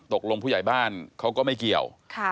ผู้ใหญ่บ้านเขาก็ไม่เกี่ยว